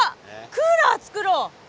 クーラーつくろう！